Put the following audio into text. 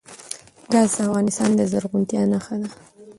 ګاز د افغانستان د زرغونتیا نښه ده.